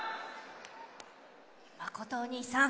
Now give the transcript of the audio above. まことおにいさん。